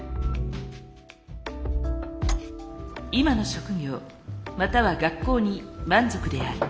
今の職業または学校に満足である。